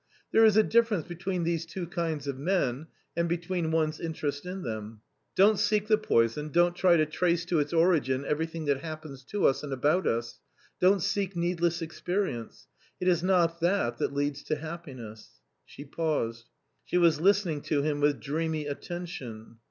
There is a difference between these two kinds of men and between one's interest in them. Don't seek the poison, don't try to trace to its origin everything that happens to us and about us ; don't seek needless experience ; it is not that that leads to happiness." She paused. She was listening to him with dreamy attention.